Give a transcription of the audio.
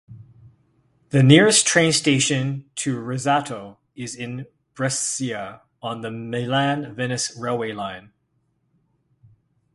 The nearest train station to Rezzato is in Brescia, on the Milan-Venice railway line.